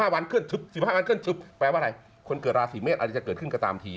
๔๕วันขึ้นแปลว่าอะไรคนเกิดราศีเมษอาจจะเกิดขึ้นกันตามที